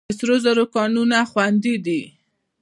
د سرو زرو کانونه خوندي دي؟